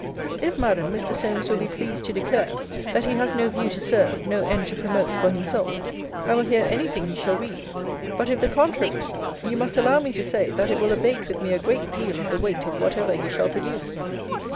If, Madam, Mr. Solmes will be pleased to declare, that he has no view to serve, no end to promote, for himself, I will hear any thing he shall read. But if the contrary, you must allow me to say, that it will abate with me a great deal of the weight of whatever he shall produce.